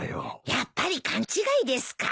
やっぱり勘違いですか。